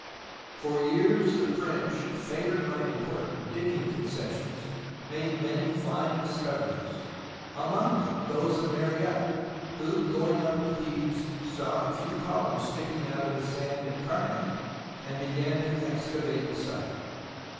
For years the French, favoured by important digging concessions, made many fine discoveries, among them those of Mariette who, going up to Thebes, saw a few columns sticking out of the sand at Karnak and began to excavate the site.